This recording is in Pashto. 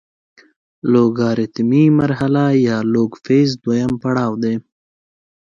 لوګارتمي مرحله یا لوګ فیز دویم پړاو دی.